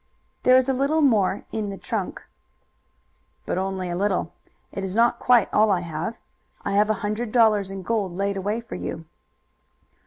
"There is a little more in the trunk." "But only a little. It is not quite all I have. I have a hundred dollars in gold laid away for you."